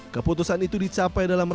keputusan itu dicapai dalam